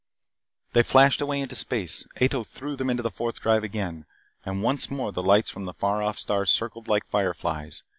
They flashed away into space. Ato threw them into the Fourth Drive again. And once more the lights from the far off stars circled like fireflies.